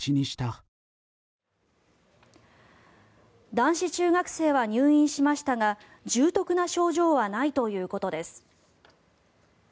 男子中学生は入院しましたが重篤な症状はないということです。